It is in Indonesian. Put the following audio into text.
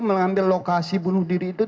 mengambil lokasi bunuh diri itu